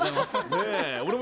俺も。